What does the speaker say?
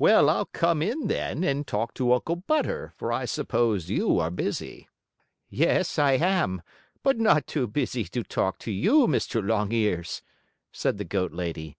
"Well, I'll come in then, and talk to Uncle Butter, for I suppose you are busy." "Yes, I am, but not too busy to talk to you, Mr. Longears," said the goat lady.